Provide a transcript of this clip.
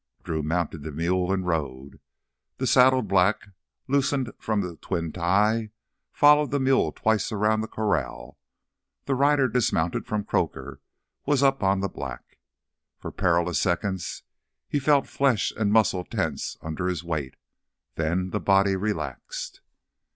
Drew mounted the mule and rode. The saddled black, loosened from the twin tie, followed the mule twice around the corral. The rider dismounted from Croaker, was up on the black. For perilous seconds he felt flesh and muscles tense under his weight; then the body relaxed.